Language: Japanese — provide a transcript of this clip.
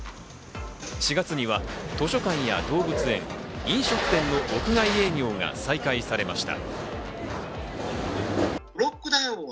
４月には図書館や動物園、飲食店の屋外営業が再開されました。